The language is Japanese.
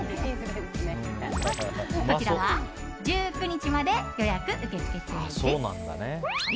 こちらは、１９日まで予約受付中です。